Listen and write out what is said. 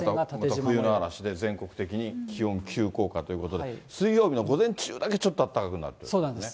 また冬の嵐で全国的に気温急降下ということで、水曜日の午前中だけ、ちょっとあったかくなるということですね。